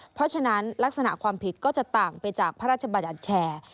เพราะฉะนั้นลักษณะความผิดก็จะต่างไปจากพระราชบัญญัติแชร์